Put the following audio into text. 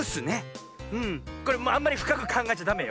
これあんまりふかくかんがえちゃダメよ。